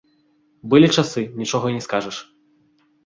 Былі часы, нічога не скажаш.